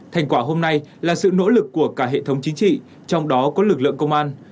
thành quả hôm nay là sự nỗ lực của cả hệ thống chính trị trong đó có lực lượng công an